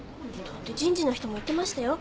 だって人事の人も言ってましたよ。